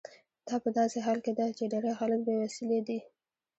دا په داسې حال کې ده چې ډیری خلک بې وسیلې دي.